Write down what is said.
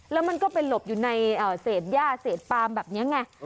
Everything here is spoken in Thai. แล้วมันก็ไปหลบอยู่ในเศษย่าเศษปาล์มแบบนี้ไง